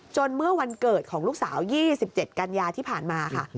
เมื่อวันเกิดของลูกสาว๒๗กันยาที่ผ่านมาค่ะ